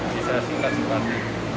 sosialisasi kasih pandu